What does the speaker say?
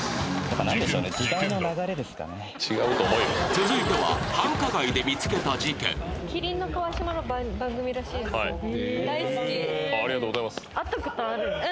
続いては繁華街で見つけた事ケンありがとうございます